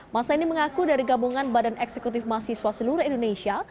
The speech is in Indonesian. masa ini mengaku dari gabungan badan eksekutif mahasiswa seluruh indonesia